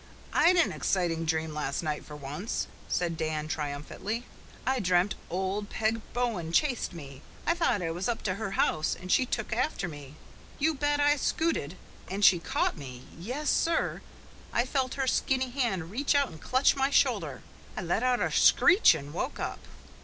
"I'd an exciting dream last night for once," said Dan triumphantly. "I dreamt old Peg Bowen chased me. I thought I was up to her house and she took after me. You bet I scooted. And she caught me yes, sir! I felt her skinny hand reach out and clutch my shoulder. I let out a screech and woke up."